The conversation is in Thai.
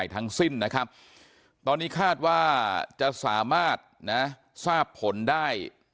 ตอนนี้คาดว่าจะสามารถซาบผลได้